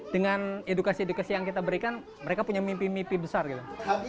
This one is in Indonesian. dengan edukasi edukasi yang kita berikan mereka punya mimpi mimpi besar gitu